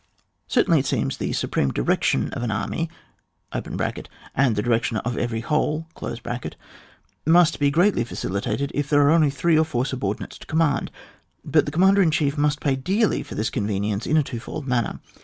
Certainly it seems that the supreme di rection of an army (and the direction of every whole) must be greatly facilitated if there are only three or four subordinates to command, but the commander in chief must pay dearly for this convenience in a twofold manner.